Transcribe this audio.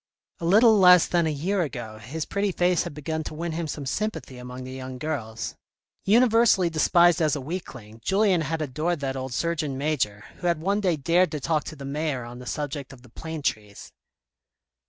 A little less than a year ago his pretty face had begun to win him some sympathy among the young girls. Univer sally despised as a weakling, Julien had adored that old Surgeon Major, who had one day dared to talk to the mayor on the subject of the plane trees.